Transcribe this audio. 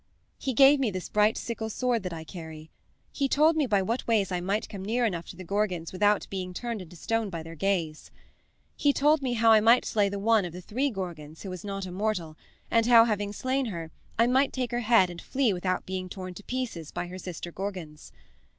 "He gave me this bright sickle sword that I carry. He told me by what ways I might come near enough to the Gorgons without being turned into stone by their gaze. He told me how I might slay the one of the three Gorgons who was not immortal, and how, having slain her, I might take her head and flee without being torn to pieces by her sister Gorgons.